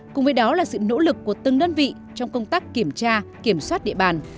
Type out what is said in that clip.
cùng với đó là sự nỗ lực của từng đơn vị trong công tác kiểm tra kiểm soát địa bàn